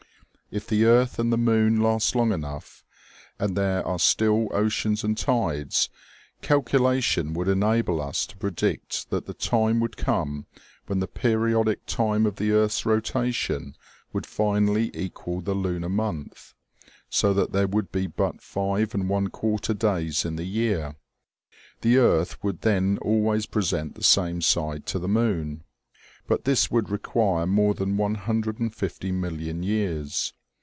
If the earth and the moon last long enough, and there are still oceans and tides, cal culation would enable us to predict that the time would come when the periodic time of the earth's rotation would finally equal the lunar month, so that there would be but five and one quarter days in the year : the earth would then always present the same side to the moon. But this would require more than 150 million years.